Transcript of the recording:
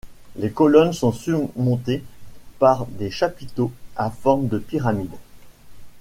Les colonnes sont surmontées par des chapiteaux à forme de pyramide.